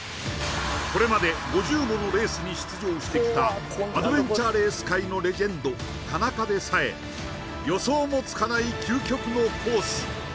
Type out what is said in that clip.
これまで５０ものレースに出場してきたアドベンチャーレース界のレジェンド田中でさえ予想もつかない究極のコース